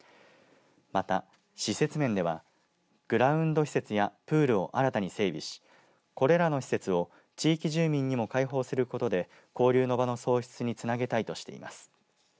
また、施設面ではグラウンド施設やプールを新たに整備しこれらの施設を地域住民にも開放することで交流の場の創出につなげたいとしています。